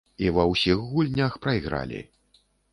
І ва ўсіх гульнях прайгралі.